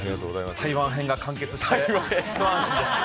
台湾編が完結して一安心です。